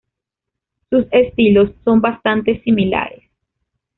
Sus estilos son bastantes similares.